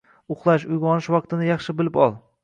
Uxlash, uyg‘onish vaqtini yaxshi bilib ol!